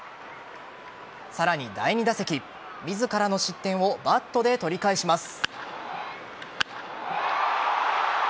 さらに第２打席自らの失点をバットで取り返します。